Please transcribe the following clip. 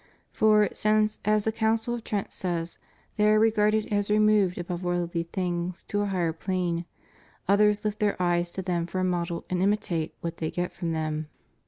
For, since, as the Council of Trent says, they are regarded as removed above worldly things to a higher plane, others lift their eyes to them for a model and imi tate what they get from them.